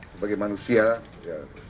sebagai manusia ya